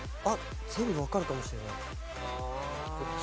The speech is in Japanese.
あっ全部わかるかもしれない。